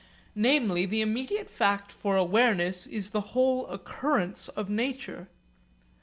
Namely the immediate fact for awareness is the whole occurrence of nature.